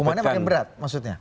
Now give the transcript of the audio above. hukumannya makin berat maksudnya